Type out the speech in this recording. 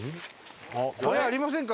小屋ありませんか？